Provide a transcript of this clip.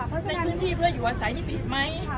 เพราะฉะนั้นเป็นพื้นที่เพื่ออยู่อาศัยนี้ผิดไหมค่ะ